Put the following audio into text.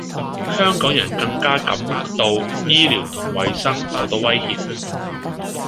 香港人更加感到醫療同衛生受到威脅